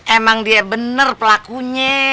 emang dia bener pelakunya